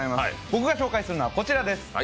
僕が紹介するのはこちらです。